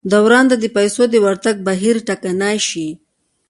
دوران ته د پیسو د ورتګ بهیر ټکنی شي.